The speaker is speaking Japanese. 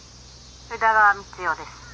☎宇田川満代です。